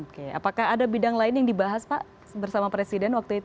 oke apakah ada bidang lain yang dibahas pak bersama presiden waktu itu